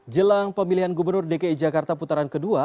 jelang pemilihan gubernur dki jakarta putaran kedua